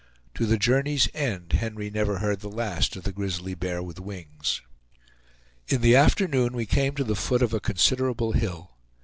To the journey's end Henry never heard the last of the grizzly bear with wings. In the afternoon we came to the foot of a considerable hill.